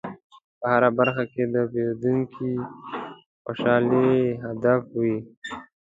په هره برخه کې د پیرودونکي خوشحالي هدف وي.